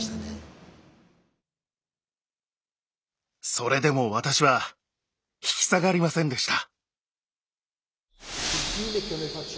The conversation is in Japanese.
それでも私は引き下がりませんでした。